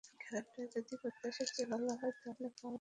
খাবারটা যদি প্রত্যাশার চেয়ে ভালো হয়, তাহলে খাওয়ার অভিজ্ঞতা ভালো হবে।